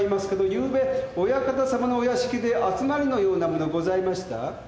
ゆうべお館様のお屋敷で集まりのようなものございました？